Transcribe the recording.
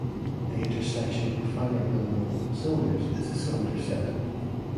The intersection of a finite number of open cylinders is a cylinder set.